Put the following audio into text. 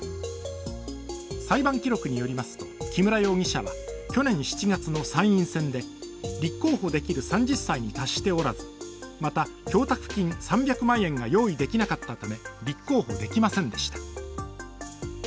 裁判記録によりますと木村容疑者は去年７月の参院選で立候補できる３０歳に達しておらずまた供託金３００万円が用意できなかったため立候補できませんでした。